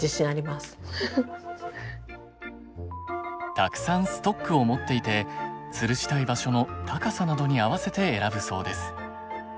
たくさんストックを持っていてつるしたい場所の高さなどに合わせて選ぶそうです。